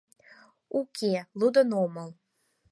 — Уке, лудын омыл...